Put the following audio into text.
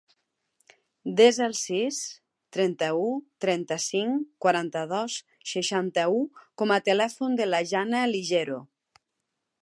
Desa el sis, trenta-u, trenta-cinc, quaranta-dos, seixanta-u com a telèfon de la Janna Ligero.